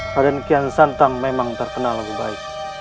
varian kian santang memang terkenal lebih baik